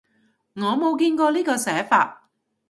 我冇見過呢個寫法